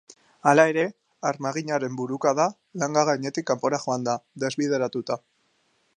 Hala ere, armaginaren burukada langa gainetik kanpora joan da, desbideratuta.